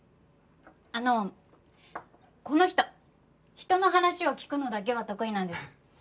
あのこの人人の話を聞くのだけは得意なんです。